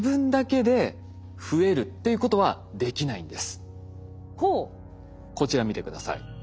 こちら見て下さい。